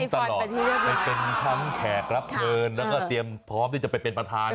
ตลอดไปเป็นทั้งแขกรับเชิญแล้วก็เตรียมพร้อมที่จะไปเป็นประธาน